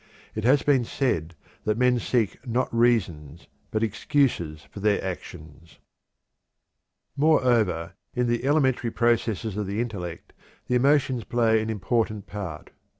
It has been said that "men seek not reasons but excuses for their actions." Moreover, in the elementary processes of the intellect the emotions play an important part.